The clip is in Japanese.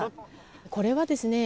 これはですね